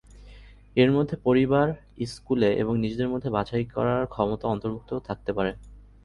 এর মধ্যে পরিবার, স্কুলে এবং নিজেদের জন্য বাছাই করার ক্ষমতা অন্তর্ভুক্ত থাকতে পাারে।